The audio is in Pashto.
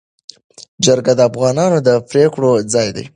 جرګه د افغانانو د پرېکړو ځای دی.